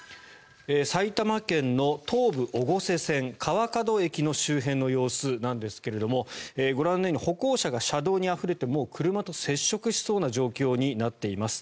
埼玉県の東武越生線川角駅の周辺の様子なんですがご覧のように歩行者が車道にあふれてもう車と接触しそうな状況になっています。